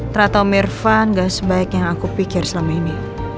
ternyata mirvan gak sebaik yang aku pikir selama ini